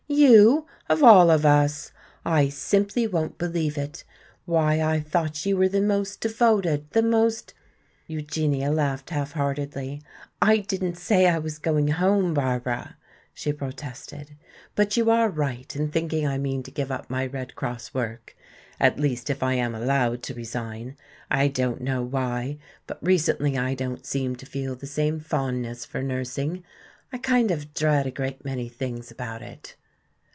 You, of all of us! I simply won't believe it. Why, I thought you were the most devoted, the most " Eugenia laughed half heartedly. "I didn't say I was going home, Barbara," she protested. "But you are right in thinking I mean to give up my Red Cross work, at least if I am allowed to resign. I don't know why, but recently I don't seem to feel the same fondness for nursing. I kind of dread a great many things about it."